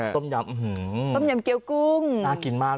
ต้มยำ